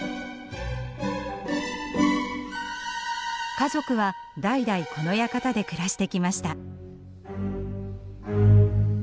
家族は代々この館で暮らしてきました。